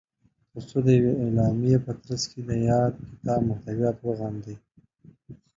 تر څو د یوې اعلامیې په ترځ کې د یاد کتاب محتویات وغندي